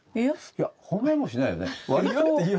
いや褒めもしないよね。